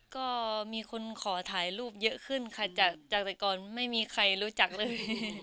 ก็มีคนขอถ่ายรูปเยอะขึ้นค่ะจากแต่ก่อนไม่มีใครรู้จักเลย